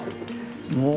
もう。